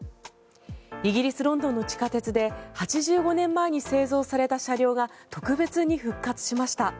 イギリス・ロンドンの地下鉄で８５年前に製造された車両が特別に復活しました。